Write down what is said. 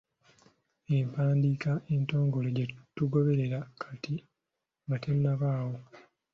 Empandiika entongole gye tugoberera kati nga tennabaawo.